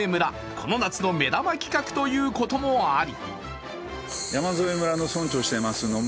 この夏の目玉企画ということもあり